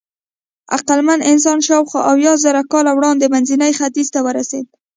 عقلمن انسان شاوخوا اویازره کاله وړاندې منځني ختیځ ته ورسېد.